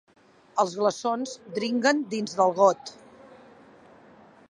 Els glaçons dringuen dins del got.